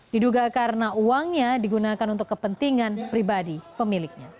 diduga karena uangnya digunakan untuk kepentingan pribadi pemiliknya